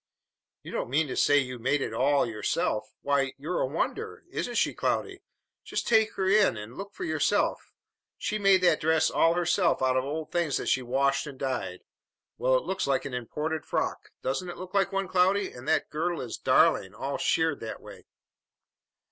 "You don't mean to say you made it all yourself! Why you're a wonder! Isn't she, Cloudy? Just take her in and look for yourself! She made that dress all herself out of old things that she washed and dyed. Why, it looks like an imported frock. Doesn't it look like one, Cloudy? And that girdle is darling, all shirred that way!"